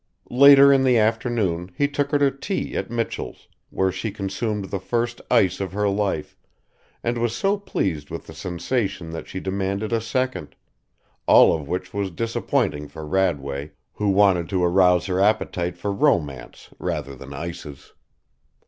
Later in the afternoon he took her to tea at Mitchell's, where she consumed the first ice of her life, and was so pleased with the sensation that she demanded a second; all of which was disappointing for Radway, who wanted to arouse her appetite for romance rather than ices.